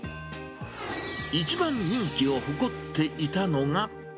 一番人気を誇っていたのが。